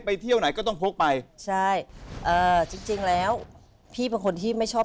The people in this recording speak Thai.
เที่ยวไหนก็ต้องพกไปใช่เอ่อจริงจริงแล้วพี่เป็นคนที่ไม่ชอบ